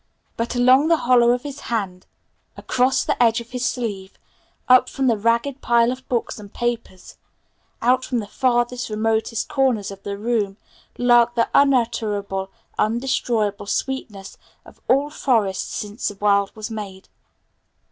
But along the hollow of his hand, across the edge of his sleeve, up from the ragged pile of books and papers, out from the farthest, remotest corners of the room, lurked the unutterable, undestroyable sweetness of all forests since the world was made.